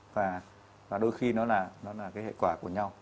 và đôi khi nó là hệ quả của nhau